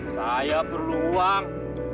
saya perlu uang